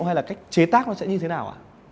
hay là cách chế tác nó sẽ như thế nào ạ